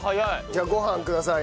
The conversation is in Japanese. じゃあご飯ください。